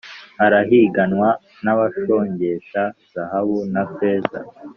arahiganwa n’abashongesha zahabu na feza,